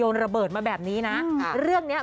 น่าจะเปิดเผยเลย